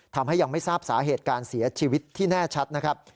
ทำให้ยังไม่ทราบสาเหตุการเสียชีวิตที่แน่ชัดนะครับ